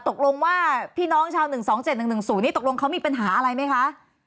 ตกลงว่าพี่น้องชาว๑๒๗๑๑๐นี่ตกลงเขามีปัญหาอะไรไหมคะ